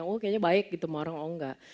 oh kayaknya baik gitu mau orang oh enggak